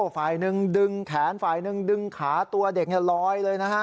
ฝ่ายหนึ่งดึงแขนฝ่ายหนึ่งดึงขาตัวเด็กลอยเลยนะฮะ